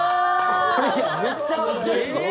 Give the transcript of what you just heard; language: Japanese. これむちゃくちゃすごい。